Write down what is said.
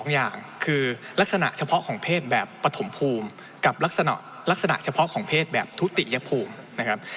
อย่างคือลักษณะเฉพาะของเพศแบบปฐมภูมิกับลักษณะเฉพาะของเพศแบบทุติยภูมินะครับ